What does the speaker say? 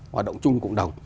hoạt động chung cộng đồng